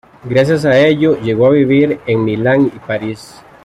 Gracias a ello, llegó a vivir en Milán y París.